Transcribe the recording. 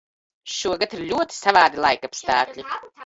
Šogad ir ļoti savādi laikapstākļi.